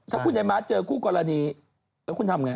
ถ้าคุณในบ้านเจอก็รรณีคุณทำยังไง